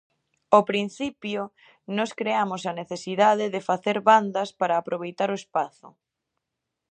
Ao principio nós creamos a necesidade de facer bandas para aproveitar o espazo.